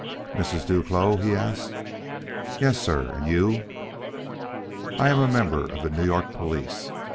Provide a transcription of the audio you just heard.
"Mrs. Duclos?" he asked. "Yes, sir. And you?" "I am a member of the New York police.